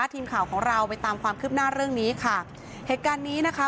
ทีมข่าวของเราไปตามความคืบหน้าเรื่องนี้ค่ะเหตุการณ์นี้นะคะ